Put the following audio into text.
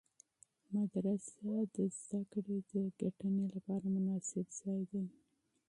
مدرسه د علم د ګټنې لپاره مناسب ځای دی.